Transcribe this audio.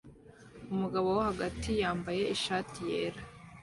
Umugabo wo hagati wambaye ishati yera